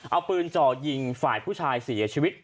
เอาปืนจ่อยิงฝ่ายผู้ชายเสียชีวิต